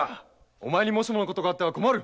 お前にもしもの事があっては困る！